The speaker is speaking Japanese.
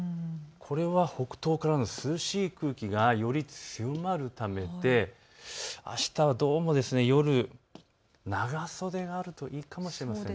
これは北東からの涼しい空気がより強まるためであしたは夜、長袖があるといいかもしれません。